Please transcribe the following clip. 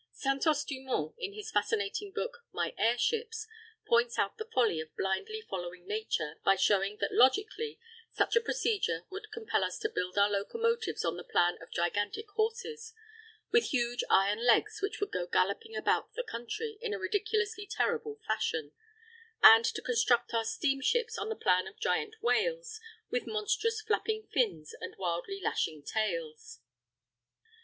Santos Dumont, in his fascinating book, My Air Ships, points out the folly of blindly following Nature by showing that logically such a procedure would compel us to build our locomotives on the plan of gigantic horses, with huge iron legs which would go galloping about the country in a ridiculously terrible fashion; and to construct our steamships on the plan of giant whales, with monstrous flapping fins and wildly lashing tails.